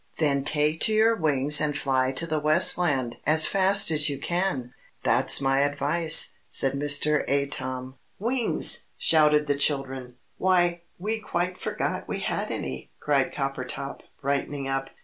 "Then take to your wings and fly to the West Land as fast as you can that's my advice," said Mr. Atom. "Wings!" shouted the children. "Why, we quite forgot we had any!" cried Coppertop, brightening up.